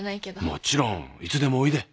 もちろんいつでもおいで。